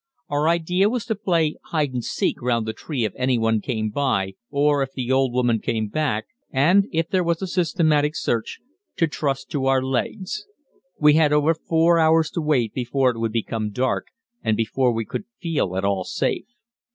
Our idea was to play hide and seek round the tree if anyone came by or if the old woman came back; and if there was a systematic search to trust to our legs. We had over four hours to wait before it would become dark and before we could feel at all safe.